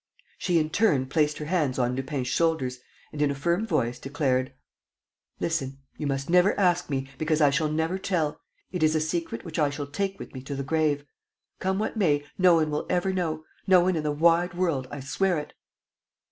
She, in turn, placed her hands on Lupin's shoulders and, in a firm voice, declared: "Listen, you must never ask me, because I shall never tell. ... It is a secret which I shall take with me to the grave. ... Come what may, no one will ever know, no one in the wide world, I swear it!"